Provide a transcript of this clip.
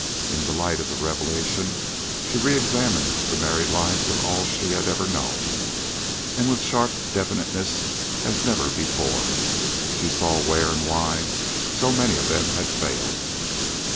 In the light of the revelation she re examined the married lives of all she had ever known, and, with sharp definiteness as never before, she saw where and why so many of them had failed.